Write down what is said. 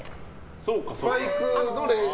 スパイクの練習。